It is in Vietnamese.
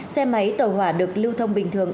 xe máy tàu hỏa được lưu thông bình thường